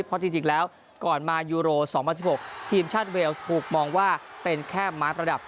เพราะจริงแล้วก่อนมายูโร๒๐๑๖ทีมชาติเวลส์ถูกมองว่าเป็นแค่ไม้ประดับ